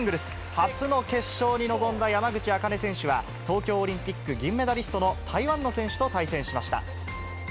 初の決勝に臨んだ山口茜選手は、東京オリンピック銀メダリストの台湾の選手と対戦しました。